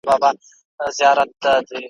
بس په خیالونو کي مي اوسه پر ما ښه لګېږې `